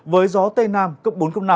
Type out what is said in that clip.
với gió tây nam cấp bốn năm